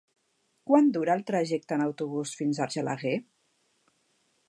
Quant dura el trajecte en autobús fins a Argelaguer?